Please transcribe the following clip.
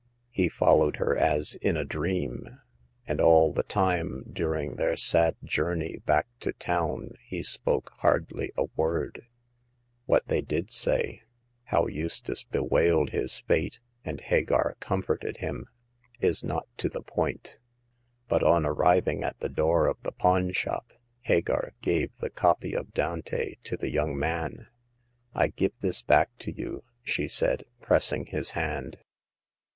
He followed her as in a dream, and all the time during their sad journey back to town he spoke hardly a word. What they did say — how Eustace bewailed his fate and Hagar comforted him — is not to the point. But on arriving at the door of the pawn shop Hagar gave the copy of Dante to the young man. " I give this back to you," she said, pressing his hand.